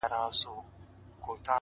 ستا د ښکلا په تصور کي یې تصویر ویده دی،